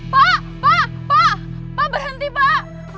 pak pak pak berhenti pak